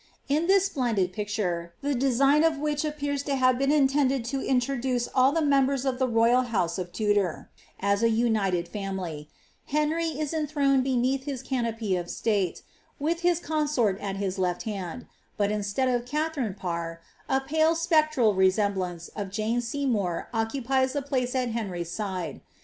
In this splendid picture, he design of which appears to have been intended to introduce all the aenibers of the royal house of Tudor, as a united family, Henry is en hroned beneath his canopy of state, with his consort at his lef\ hand ; »ai instead of Katharine Parr a pale spectral resemblance of Jane Sey Qour occupies the place at Henry's side.